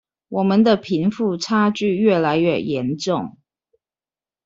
我們的貧富差距越來越嚴重